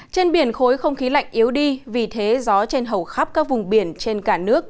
trên biển khối không khí lạnh yếu đi vì thế gió trên hầu khắp các vùng biển trên cả nước